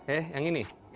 eh yang ini